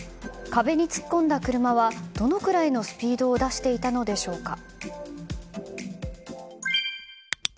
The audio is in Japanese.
壁に突っ込んだ車はどのくらいのスピードを出していたのでしょうか。